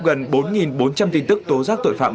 gần bốn bốn trăm linh tin tức tố giác tội phạm